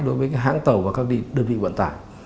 đối với hãng tàu và các đơn vị vận tải